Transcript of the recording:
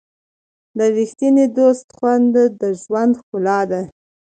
د ریښتیني دوست خوند د ژوند ښکلا ده.